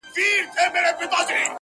چي څه عقل یې درلودی هغه خام سو -